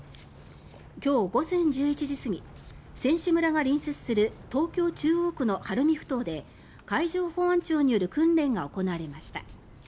今日午前１１時過ぎ選手村が隣接する東京・中央区の晴海ふ頭で海上保安庁による訓練が行われました。